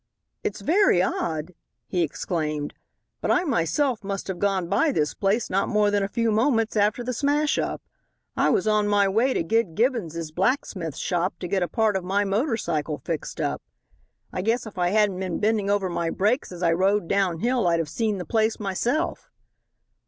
"It's very odd," he exclaimed, "but I myself must have gone by this place not more than a few moments after the smash up. I was on my way to Gid Gibbons's blacksmith shop to get a part of my motor cycle fixed up. I guess if I hadn't been bending over my brakes as I rode down hill I'd have seen the place myself."